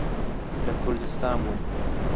لە کوردستان بووم.